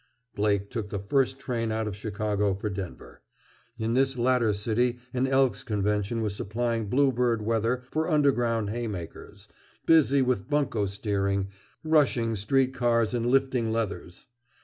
Blake took the first train out of Chicago for Denver. In this latter city an Elks' Convention was supplying blue bird weather for underground "haymakers," busy with bunco steering, "rushing" street cars and "lifting leathers."